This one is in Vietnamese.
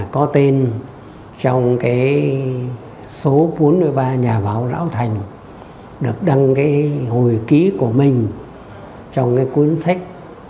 có tên trong cái số bốn mươi ba nhà báo lão thành được đăng cái hồi ký của mình trong cái cuốn sách